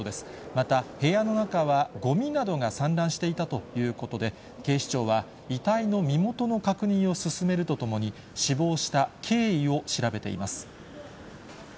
また、部屋の中はごみなどが散乱していたということで、警視庁は遺体の身元の確認を進めるとともに、死亡した経緯を調べています。